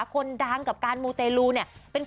คนดังกับการมูเตลูเนี่ย